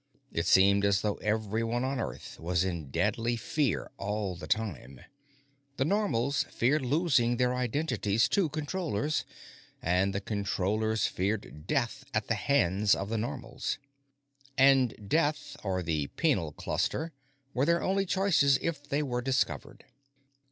It seemed as though everyone on Earth was in deadly fear all the time. The Normals feared losing their identities to Controllers, and the Controllers feared death at the hands of the Normals. And death or the Penal Cluster were their only choices if they were discovered.